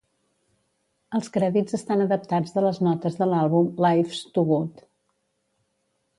Els crèdits estan adaptats de les notes de l'àlbum "Life's Too Good".